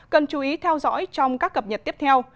cần chú ý theo dõi trong các cập nhật tiếp theo